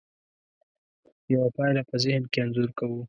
یوه پایله په ذهن کې انځور کوو.